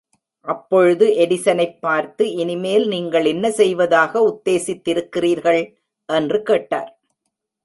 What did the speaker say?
அப்பொழுதுஎடிசனைப்பார்த்து, இனிமேல், நீங்கள் என்ன செய்வதாக உத்தேசித்திருக்கிறீர்கள்? என்று கேட்டார்.